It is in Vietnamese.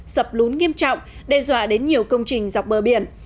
sập lún nghiêm trọng đe dọa đến nhiều công trình dọc bờ biển